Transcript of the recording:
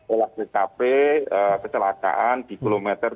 olah tkp kecelakaan di kilometer tujuh belas tujuh ratus dua belas empat ratus